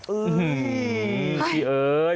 อือฮึพี่เอ๋ย